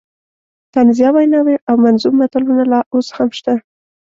طنزیه ویناوې او منظوم متلونه لا اوس هم شته.